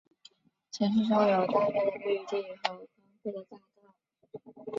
城市中有大片的绿地和宽阔的大道。